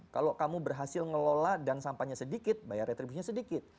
kalau kamu berhasil ngelola dan sampahnya sedikit bayar retribusinya sedikit